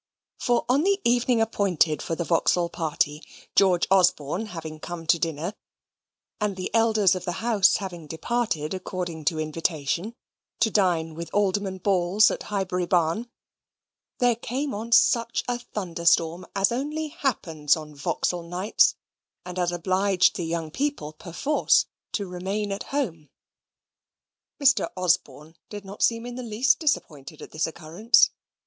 For on the evening appointed for the Vauxhall party, George Osborne having come to dinner, and the elders of the house having departed, according to invitation, to dine with Alderman Balls at Highbury Barn, there came on such a thunder storm as only happens on Vauxhall nights, and as obliged the young people, perforce, to remain at home. Mr. Osborne did not seem in the least disappointed at this occurrence.